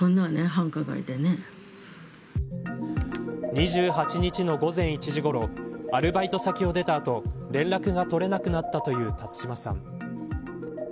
２８日の午前１時ごろアルバイト先を出た後連絡が取れなくなったという辰島さん。